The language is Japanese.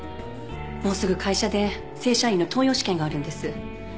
もうすぐ会社で正社員の登用試験があるんです。